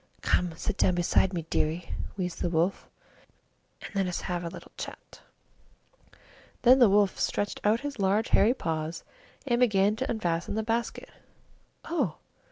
"Come and sit down beside my bed, dearie," wheezed the Wolf, "and let us have a little chat." Then the Wolf stretched out his large hairy paws and began to unfasten the basket. "Oh!"